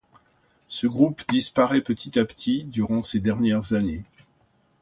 Ce groupe disparaît petit à petit durant ces dernières années.